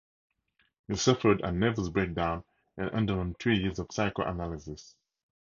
He suffered a nervous breakdown and underwent three years of psychoanalysis.